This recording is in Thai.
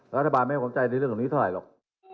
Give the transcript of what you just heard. รัฐบาลไม่คงใจในเรื่องตรงนี้เท่าไรหรอก